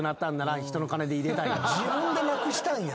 自分でなくしたんや。